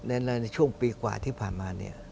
อะไรในช่วงปีกว่าที่ผ่านมา